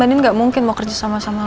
banding gak mungkin mau kerja sama sama lo